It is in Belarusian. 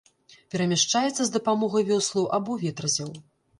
Перамяшчаецца з дапамогай вёслаў або ветразяў.